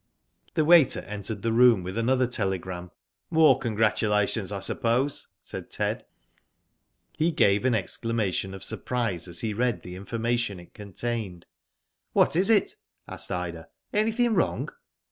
The waiter entered the room with another tele graiji. T 2 Digitized byGoogk 276 WHO DID IT? " More congratulations, I suppose," said Ted. He gave an exclamation qf surprise, as he read the information it contained. ''What is it?" asked Ida. ''Anything wrong?"